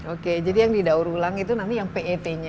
oke jadi yang didaur ulang itu nanti yang pet nya